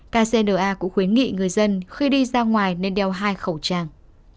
kcna cũng khuyến nghị người dân khi đi ra ngoài nên đeo hai khẩu trang